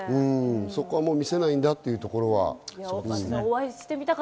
そこは見せないんだというところは。